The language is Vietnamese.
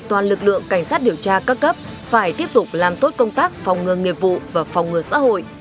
toàn lực lượng cảnh sát điều tra các cấp phải tiếp tục làm tốt công tác phòng ngừa nghiệp vụ và phòng ngừa xã hội